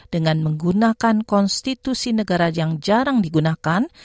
dengan menggunakan konstitusi negara yang jarang digunakan